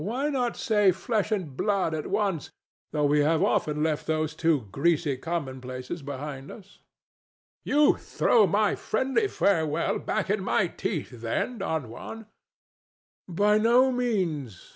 Why not say flesh and blood at once, though we have left those two greasy commonplaces behind us? THE DEVIL. [angrily] You throw my friendly farewell back in my teeth, then, Don Juan? DON JUAN. By no means.